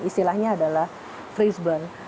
istilahnya adalah freeze burn